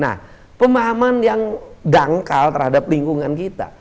nah pemahaman yang dangkal terhadap lingkungan kita